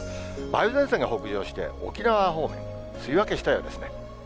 梅雨前線が北上して、沖縄方面、梅雨明けしたようですね。